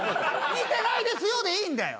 「見てないですよ」でいいんだよ。